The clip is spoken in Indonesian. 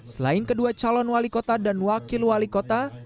selain kedua calon wali kota dan wakil wali kota